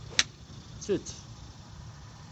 Ttett.